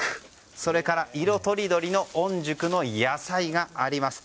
それから色とりどりの御宿の野菜があります。